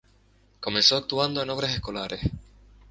Comenzó actuando en obras escolares.